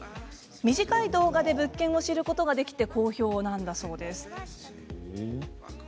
短い動画で物件を知ることができて好評なんだそうです。